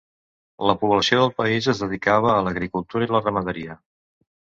La població del país es dedicava a l'agricultura i la ramaderia.